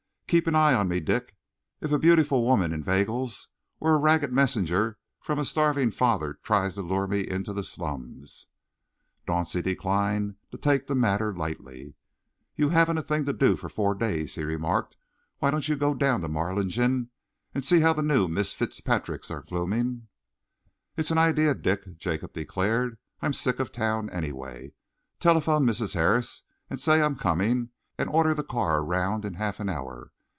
Keep an eye on me, Dick, if beautiful woman inveigles, or a ragged messenger from a starving father tries to lure me into the slums." Dauncey declined to take the matter lightly. "You haven't a thing to do for four days," he remarked. "Why don't you go down to Marlingden and see how the new 'Mrs. Fitzpatricks' are blooming?" "It's an idea, Dick," Jacob declared. "I'm sick of town, anyway. Telephone Mrs. Harris and say I'm coming, and order the car around in half an hour.